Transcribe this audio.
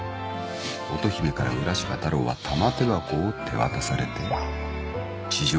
乙姫から浦島太郎は玉手箱を手渡されて地上に戻った。